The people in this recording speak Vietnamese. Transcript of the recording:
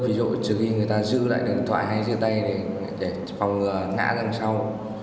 ví dụ trước khi người ta giữ lại điện thoại hay giữ tay để phòng ngã sang sau